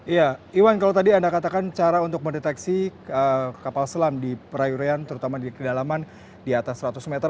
iya iwan kalau tadi anda katakan cara untuk mendeteksi kapal selam di perayuran terutama di kedalaman di atas seratus meter